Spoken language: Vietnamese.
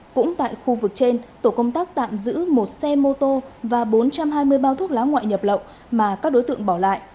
cũng tại khu vực trên tổ công tác tạm giữ một xe mô tô và bốn trăm hai mươi bao thuốc lá ngoại nhập lậu mà các đối tượng bỏ lại